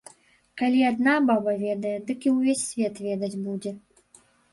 Калі адна баба ведае, дык і ўвесь свет ведаць будзе.